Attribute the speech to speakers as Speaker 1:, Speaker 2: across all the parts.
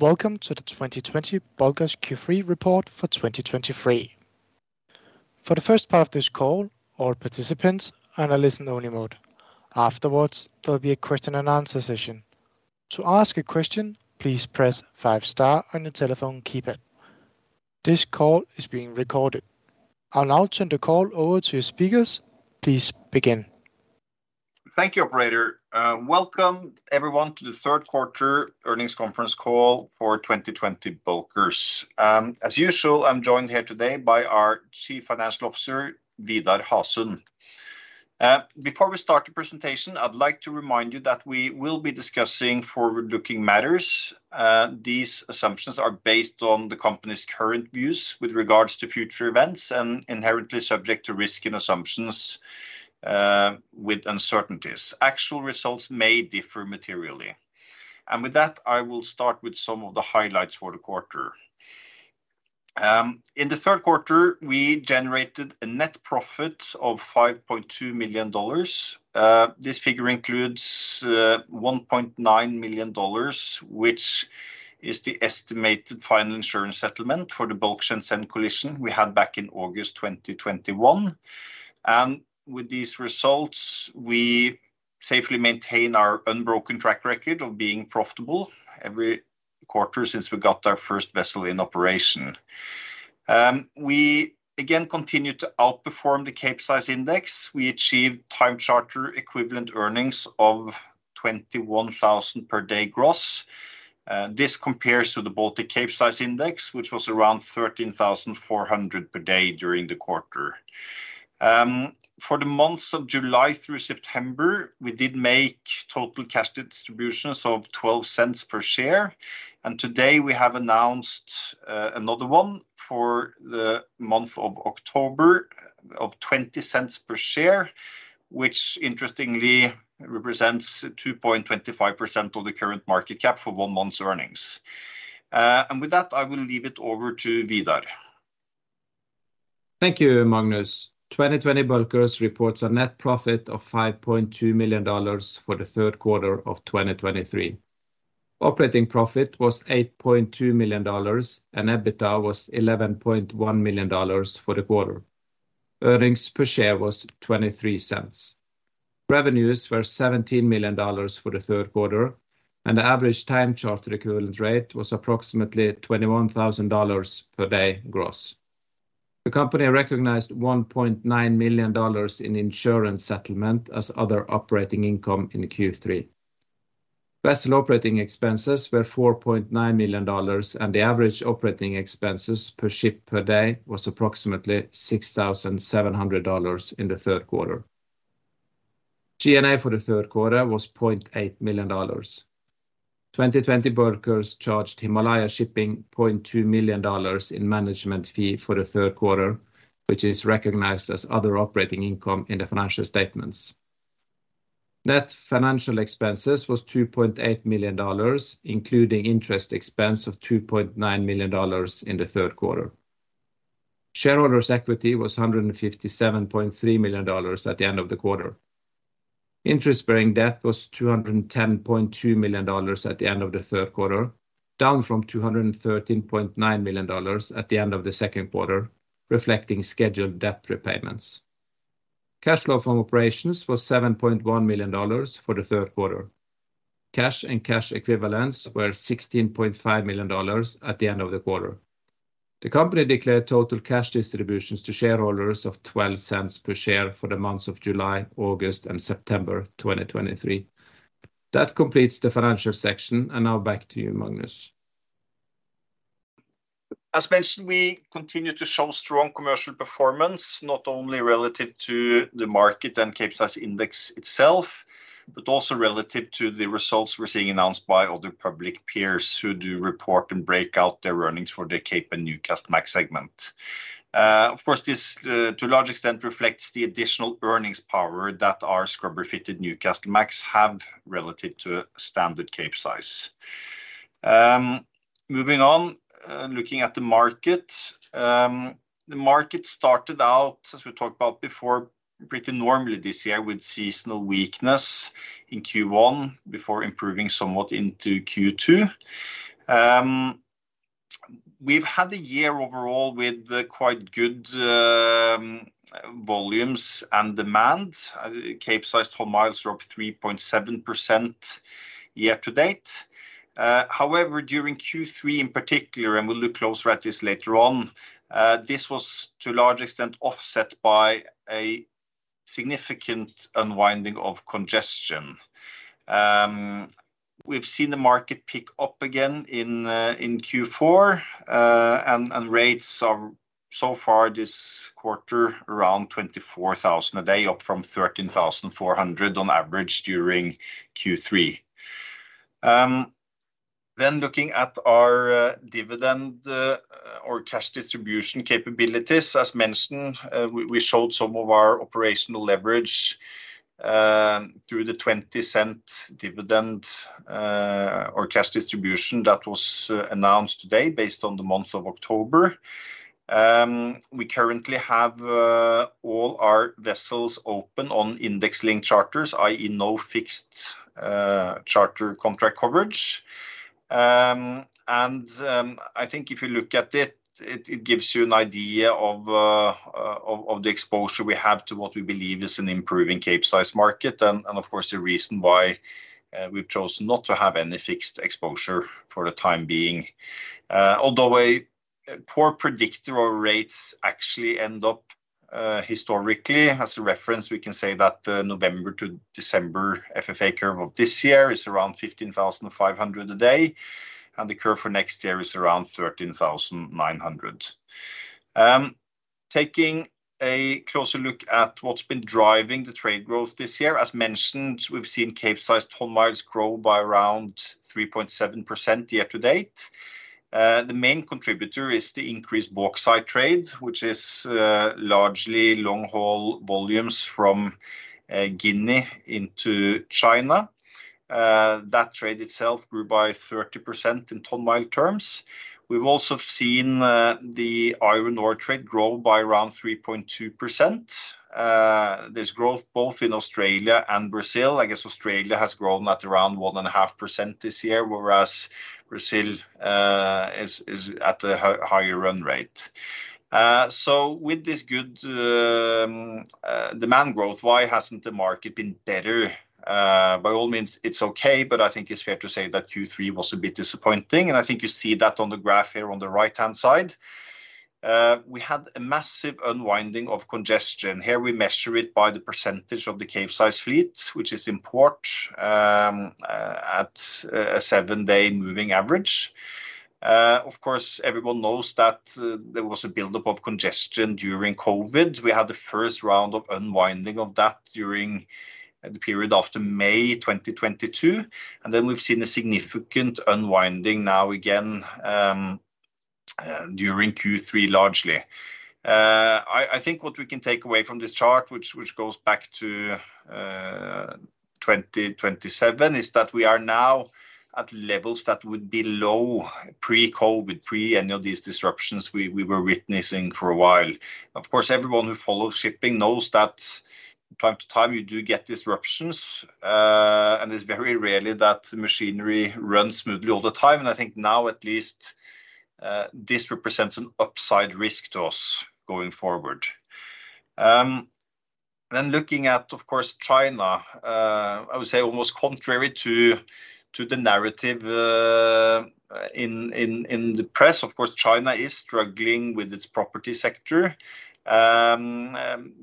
Speaker 1: Welcome to the 2020 Bulkers Q3 report for 2023. For the first part of this call, all participants are in a listen-only mode. Afterwards, there will be a question and answer session. To ask a question, please press five star on your telephone keypad. This call is being recorded. I'll now turn the call over to speakers. Please begin.
Speaker 2: Thank you, operator. Welcome, everyone, to the third quarter earnings conference call for 2020 Bulkers. As usual, I'm joined here today by our Chief Financial Officer, Vidar Hasund. Before we start the presentation, I'd like to remind you that we will be discussing forward-looking matters. These assumptions are based on the company's current views with regards to future events and inherently subject to risk and assumptions, with uncertainties. Actual results may differ materially. And with that, I will start with some of the highlights for the quarter. In the third quarter, we generated a net profit of $5.2 million. This figure includes $1.9 million, which is the estimated final insurance settlement for the Bulk Shenzhen collision we had back in August 2021. With these results, we safely maintain our unbroken track record of being profitable every quarter since we got our first vessel in operation. We again continued to outperform the Capesize Index. We achieved time charter equivalent earnings of $21,000 per day gross. This compares to the Baltic Capesize Index, which was around $13,400 per day during the quarter. For the months of July through September, we did make total cash distributions of $0.12 per share, and today we have announced another one for the month of October of $0.20 per share, which interestingly represents 2.25% of the current market cap for one month's earnings. And with that, I will leave it over to Vidar.
Speaker 3: Thank you, Magnus. 2020 Bulkers reports a net profit of $5.2 million for the third quarter of 2023. Operating profit was $8.2 million, and EBITDA was $11.1 million for the quarter. Earnings per share was $0.23. Revenues were $17 million for the third quarter, and the average time charter equivalent rate was approximately $21,000 per day gross. The company recognized $1.9 million in insurance settlement as other operating income in Q3. Vessel operating expenses were $4.9 million, and the average operating expenses per ship per day was approximately $6,700 in the third quarter. G&A for the third quarter was $0.8 million. 2020 Bulkers charged Himalaya Shipping $0.2 million in management fee for the third quarter, which is recognized as other operating income in the financial statements. Net financial expenses was $2.8 million, including interest expense of $2.9 million in the third quarter. Shareholders' equity was $157.3 million at the end of the quarter. Interest-bearing debt was $210.2 million at the end of the third quarter, down from $213.9 million at the end of the second quarter, reflecting scheduled debt repayments. Cash flow from operations was $7.1 million for the third quarter. Cash and cash equivalents were $16.5 million at the end of the quarter. The company declared total cash distributions to shareholders of $0.12 per share for the months of July, August, and September 2023. That completes the financial section. Now back to you, Magnus.
Speaker 2: As mentioned, we continue to show strong commercial performance, not only relative to the market and Capesize Index itself, but also relative to the results we're seeing announced by other public peers who do report and break out their earnings for the Cape and Newcastlemax segment. Of course, this, to a large extent, reflects the additional earnings power that our scrubber-fitted Newcastlemax have relative to standard Capesize. Moving on, looking at the market. The market started out, as we talked about before, pretty normally this year, with seasonal weakness in Q1 before improving somewhat into Q2. We've had a year overall with quite good volumes and demand. Capesize ton miles were up 3.7% year to date. However, during Q3, in particular, and we'll look closer at this later on, this was to a large extent offset by a significant unwinding of congestion. We've seen the market pick up again in Q4, and rates are so far this quarter around $24,000 a day, up from $13,400 on average during Q3. Then looking at our dividend or cash distribution capabilities, as mentioned, we showed some of our operational leverage through the $0.20 dividend or cash distribution that was announced today based on the month of October. We currently have all our vessels open on index-linked charters, i.e., no fixed charter contract coverage. I think if you look at it, it gives you an idea of the exposure we have to what we believe is an improving Capesize market, and of course, the reason why we've chosen not to have any fixed exposure for the time being. Although a poor predictor of rates actually end up, historically, as a reference, we can say that the November to December FFA curve of this year is around $15,500 a day, and the curve for next year is around $13,900. Taking a closer look at what's been driving the trade growth this year. As mentioned, we've seen Capesize ton miles grow by around 3.7% year to date. The main contributor is the increased bauxite trade, which is largely long-haul volumes from Guinea into China. That trade itself grew by 30% in ton-mile terms. We've also seen the iron ore trade grow by around 3.2%. There's growth both in Australia and Brazil. I guess Australia has grown at around 1.5% this year, whereas Brazil is at a higher run rate. So with this good demand growth, why hasn't the market been better? By all means, it's okay, but I think it's fair to say that Q3 was a bit disappointing, and I think you see that on the graph here on the right-hand side. We had a massive unwinding of congestion. Here we measure it by the percentage of the Capesize fleet, which is in port, at a seven-day moving average. Of course, everyone knows that there was a buildup of congestion during COVID. We had the first round of unwinding of that during the period after May 2022, and then we've seen a significant unwinding now again, during Q3, largely. I think what we can take away from this chart, which goes back to 2027, is that we are now at levels that would be low pre-COVID, pre any of these disruptions we were witnessing for a while. Of course, everyone who follows shipping knows that time to time you do get disruptions, and it's very rarely that the machinery runs smoothly all the time, and I think now, at least, this represents an upside risk to us going forward. Then looking at, of course, China, I would say almost contrary to the narrative in the press, of course, China is struggling with its property sector.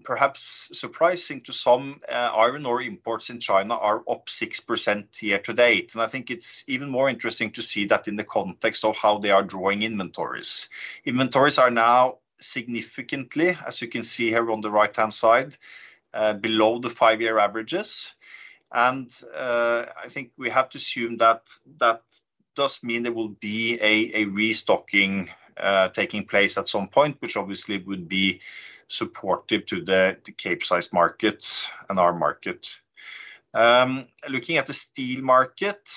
Speaker 2: Perhaps surprising to some, iron ore imports in China are up 6% year to date, and I think it's even more interesting to see that in the context of how they are drawing inventories. Inventories are now significantly, as you can see here on the right-hand side, below the five-year averages. I think we have to assume that that does mean there will be a restocking taking place at some point, which obviously would be supportive to the Capesize markets and our market. Looking at the steel market,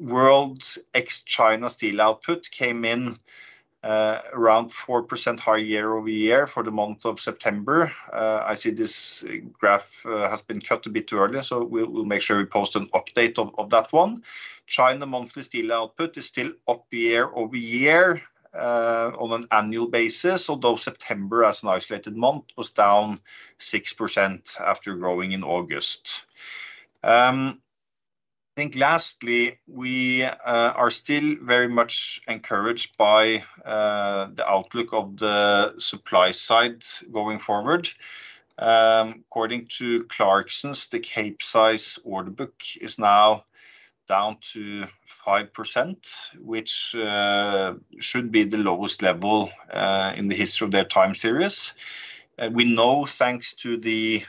Speaker 2: world ex-China steel output came in around 4% higher year-over-year for the month of September. I see this graph has been cut a bit too early, so we'll make sure we post an update of that one. China monthly steel output is still up year-over-year on an annual basis, although September, as an isolated month, was down 6% after growing in August. I think lastly, we are still very much encouraged by the outlook of the supply side going forward. According to Clarksons, the Capesize order book is now down to 5%, which should be the lowest level in the history of their time series. We know, thanks to the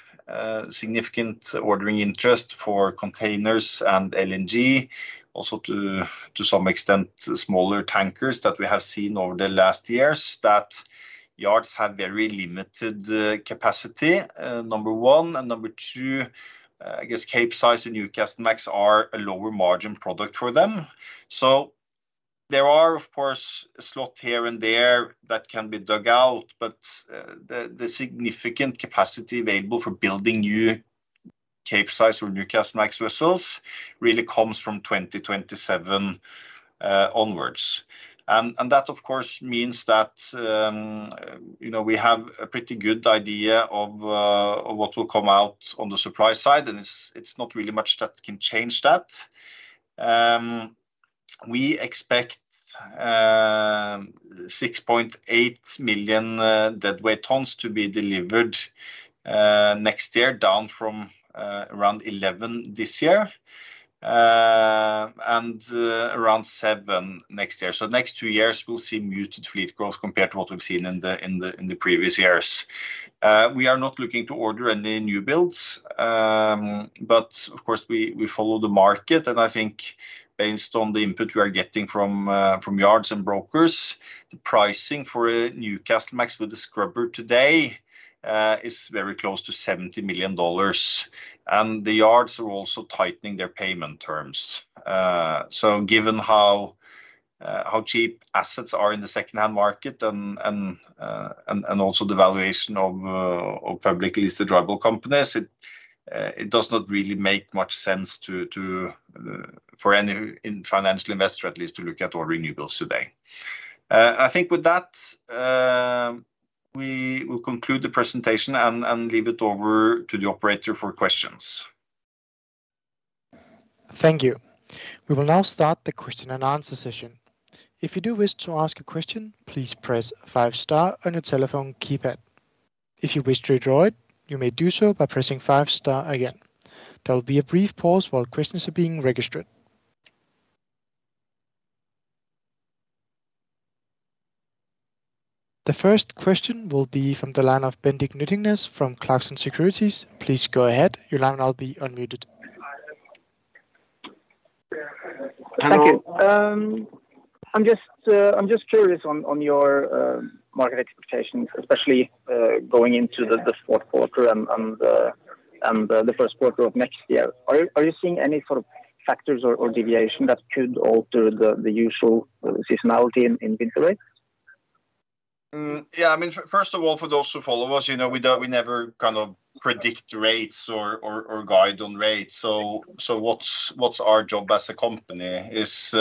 Speaker 2: significant ordering interest for containers and LNG, also to some extent, smaller tankers that we have seen over the last years, that yards have very limited capacity, number one. And number two, I guess Capesize and Newcastlemax are a lower margin product for them. So there are, of course, a slot here and there that can be dug out, but the significant capacity available for building new Capesize or Newcastlemax vessels really comes from 2027 onwards. That, of course, means that, you know, we have a pretty good idea of what will come out on the supply side, and it's not really much that can change that. We expect 6.8 million deadweight tons to be delivered next year, down from around 11 this year, and around 7 next year. So the next two years will see muted fleet growth compared to what we've seen in the previous years. We are not looking to order any new builds, but of course, we follow the market, and I think based on the input we are getting from yards and brokers, the pricing for a Newcastlemax with a scrubber today is very close to $70 million, and the yards are also tightening their payment terms. So given how cheap assets are in the secondhand market and also the valuation of publicly listed global companies, it does not really make much sense for any financial investor, at least, to look at new builds today. I think with that, we will conclude the presentation and leave it over to the operator for questions.
Speaker 1: Thank you. We will now start the question and answer session. If you do wish to ask a question, please press five star on your telephone keypad. If you wish to withdraw it, you may do so by pressing five star again. There will be a brief pause while questions are being registered. The first question will be from the line of Bendik Nyttingnes from Clarksons Securities. Please go ahead. Your line will now be unmuted.
Speaker 4: Thank you. I'm just curious on your market expectations, especially going into the fourth quarter and the first quarter of next year. Are you seeing any sort of factors or deviation that could alter the usual seasonality in winter rate?
Speaker 2: Mm, yeah, I mean, first of all, for those who follow us, you know, we don't, we never kind of predict rates or guide on rates. So, what's our job as a company is,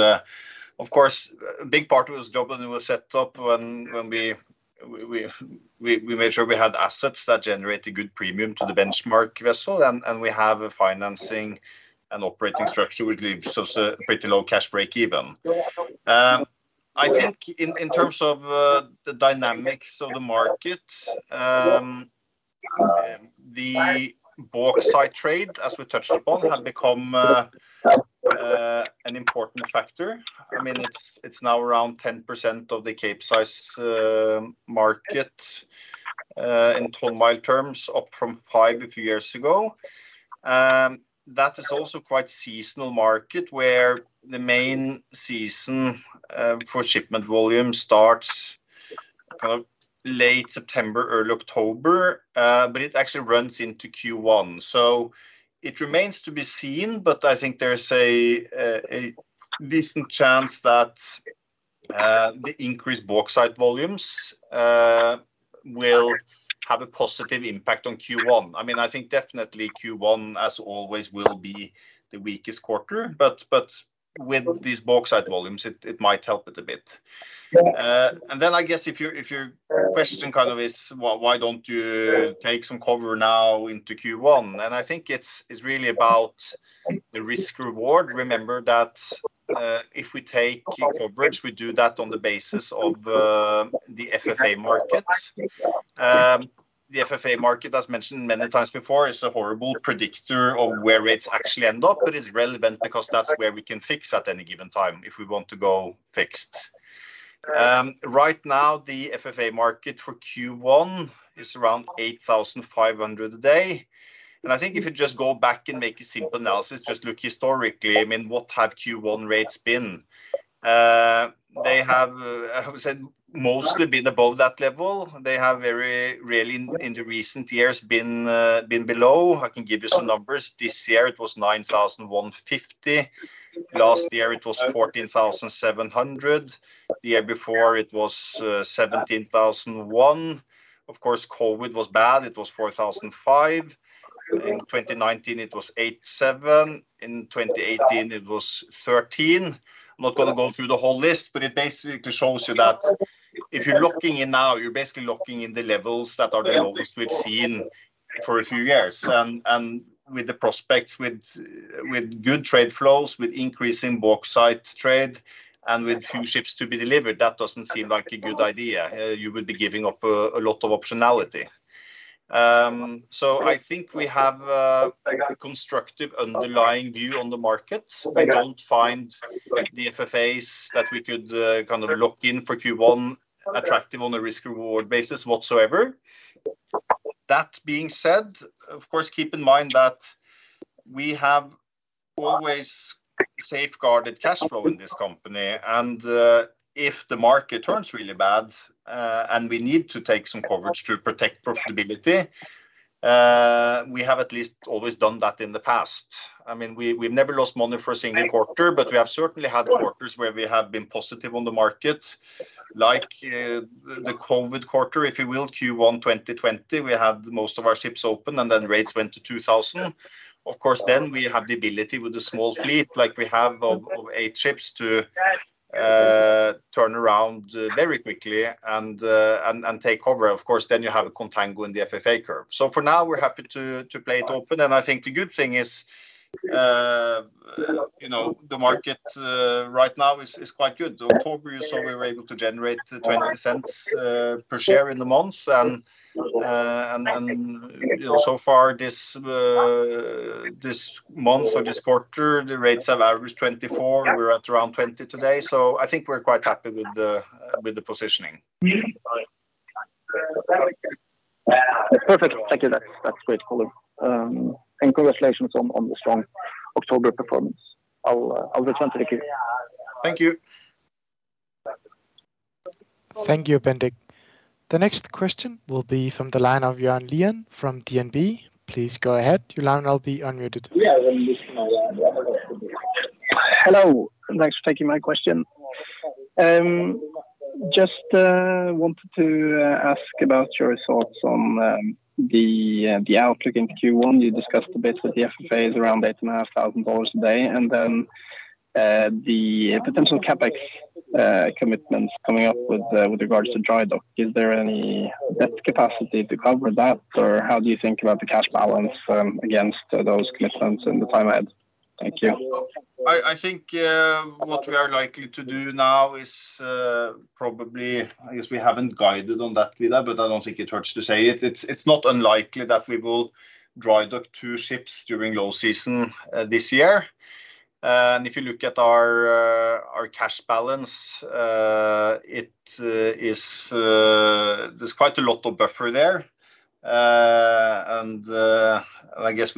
Speaker 2: of course, a big part of this job when it was set up, when we made sure we had assets that generate a good premium to the benchmark vessel, and we have a financing and operating structure, which leaves us a pretty low cash break-even. I think in terms of the dynamics of the market, the bauxite trade, as we touched upon, have become an important factor. I mean, it's now around 10% of the Capesize market, in ton-mile terms, up from 5 a few years ago. That is also quite seasonal market, where the main season for shipment volume starts kind of late September, early October, but it actually runs into Q1. So it remains to be seen, but I think there is a decent chance that the increased bauxite volumes will have a positive impact on Q1. I mean, I think definitely Q1, as always, will be the weakest quarter, but, but with these bauxite volumes, it, it might help it a bit. And then, I guess, if your, if your question kind of is, well, why don't you take some cover now into Q1? And I think it's, it's really about the risk reward. Remember that, if we take coverage, we do that on the basis of the, the FFA market. The FFA market, as mentioned many times before, is a horrible predictor of where rates actually end up, but it's relevant because that's where we can fix at any given time if we want to go fixed. Right now, the FFA market for Q1 is around $8,500 a day, and I think if you just go back and make a simple analysis, just look historically, I mean, what have Q1 rates been? They have, I would say, mostly been above that level. They have very rarely, in the recent years, been below. I can give you some numbers. This year it was $9,150. Last year, it was $14,700. The year before, it was $17,001. Of course, COVID was bad. It was $4,005. In 2019, it was $8,700. In 2018, it was 13. I'm not gonna go through the whole list, but it basically shows you that if you're locking in now, you're basically locking in the levels that are the lowest we've seen for a few years. And with the prospects, with good trade flows, with increase in bauxite trade, and with few ships to be delivered, that doesn't seem like a good idea. You would be giving up a lot of optionality. So I think we have a constructive underlying view on the market. We don't find the FFAs that we could kind of lock in for Q1 attractive on a risk reward basis whatsoever. That being said, of course, keep in mind that we have always safeguarded cash flow in this company, and if the market turns really bad, and we need to take some coverage to protect profitability, we have at least always done that in the past. I mean, we, we've never lost money for a single quarter, but we have certainly had quarters where we have been positive on the market, like the COVID quarter, if you will, Q1 2020, we had most of our ships open, and then rates went to $2,000. Of course, then we had the ability with the small fleet, like we have of 8 ships, to turn around very quickly and take cover. Of course, then you have a contango in the FFA curve. So for now, we're happy to, to play it open, and I think the good thing is, you know, the market right now is quite good. October, you saw we were able to generate $0.20 per share in the month, and so far this month or this quarter, the rates have averaged $24. We're at around $20 today, so I think we're quite happy with the positioning.
Speaker 4: Perfect. Thank you. That's great follow. And congratulations on the strong October performance. I'll return to the queue.
Speaker 2: Thank you.
Speaker 1: Thank you, Bendik. The next question will be from the line of Jørgen Lian from DNB. Please go ahead. Jørgen, you'll be unmuted.
Speaker 5: Hello, and thanks for taking my question. Just wanted to ask about your results on the outlook in Q1. You discussed a bit that the FFA is around $8,500 a day, and then the potential CapEx commitments coming up with regards to drydocking. Is there any debt capacity to cover that? Or how do you think about the cash balance against those commitments in the time ahead? Thank you.
Speaker 2: I think what we are likely to do now is probably I guess we haven't guided on that, Vidar, but I don't think it hurts to say it. It's not unlikely that we will drydock two ships during low season this year. And if you look at our cash balance, it is... There's quite a lot of buffer there. And I guess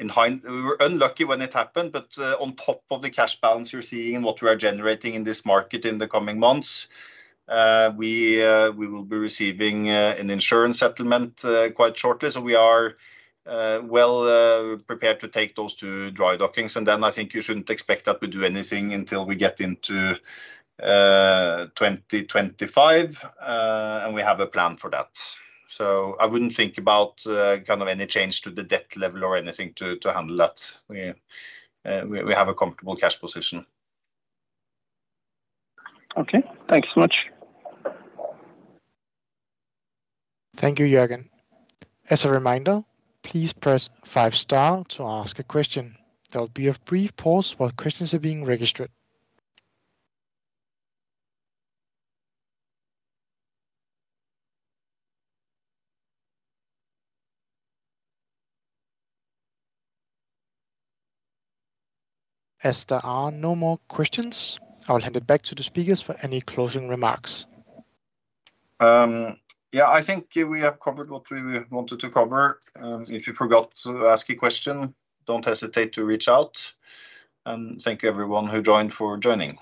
Speaker 2: we were unlucky when it happened, but on top of the cash balance you're seeing and what we are generating in this market in the coming months, we will be receiving an insurance settlement quite shortly. So we are, well, prepared to take those two drydockings, and then I think you shouldn't expect that we do anything until we get into 2025, and we have a plan for that. So I wouldn't think about kind of any change to the debt level or anything to handle that. We have a comfortable cash position.
Speaker 5: Okay, thanks so much.
Speaker 1: Thank you, Jørgen. As a reminder, please press five star to ask a question. There will be a brief pause while questions are being registered. As there are no more questions, I'll hand it back to the speakers for any closing remarks.
Speaker 2: Yeah, I think we have covered what we wanted to cover. If you forgot to ask a question, don't hesitate to reach out, and thank you, everyone who joined, for joining.